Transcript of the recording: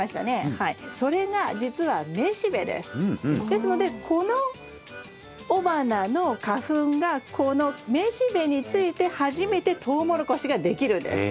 ですのでこの雄花の花粉がこの雌しべについて初めてトウモロコシができるんです。